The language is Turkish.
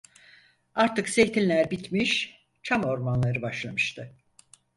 Artık zeytinler bitmiş, çam ormanları başlamıştı.